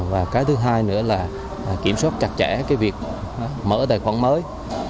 và cái thứ hai nữa là kiểm soát chặt chẽ cái việc mở tài khoản mới